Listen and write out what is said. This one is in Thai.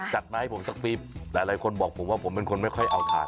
จัดมาให้ผมสักปีหลายคนบอกผมว่าผมเป็นคนไม่ค่อยเอาทาน